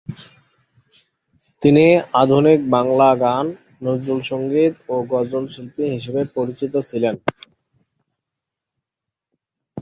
তিনি আধুনিক বাংলা গান, নজরুল সংগীত ও গজল শিল্পী হিসেবে পরিচিত ছিলেন।